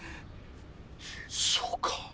そうか。